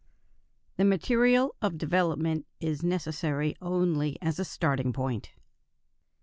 =The material of development is necessary only as a starting point=.